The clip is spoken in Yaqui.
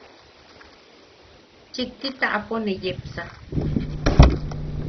Chikti taʼapo ne yepsa.